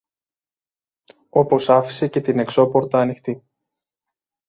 Όπως άφησε και την εξώπορτα ανοιχτή